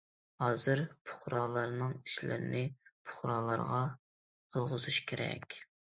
ھازىر پۇقرالارنىڭ ئىشلىرىنى پۇقرالارغا قىلغۇزۇش كېرەك.